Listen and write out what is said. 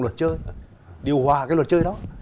luật chơi điều hòa cái luật chơi đó